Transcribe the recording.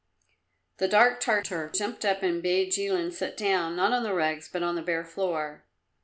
The dark Tartar jumped up and bade Jilin sit down, not on the rugs, but on the bare floor.